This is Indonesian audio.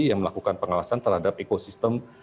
yang melakukan pengawasan terhadap ekosistem